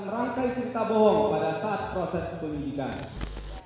merangkai sista bohong pada saat proses pemilikan